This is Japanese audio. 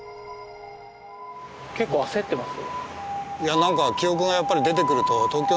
結構焦ってます？